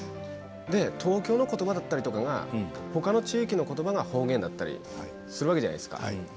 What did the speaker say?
東京のことばだったりとかほかの地域のことばが方言だったりするわけじゃないですか。